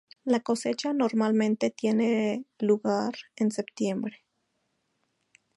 La cosecha normalmente tiene lugar en septiembre.